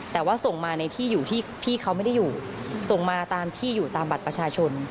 แต่ว่าส่งมาในที่อยู่ที่พี่เขาไม่ได้อยู่ส่งมาตามที่อยู่ตามบัตรประชาชน